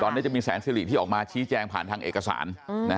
ตอนนี้จะมีแสนสิริที่ออกมาชี้แจงผ่านทางเอกสาร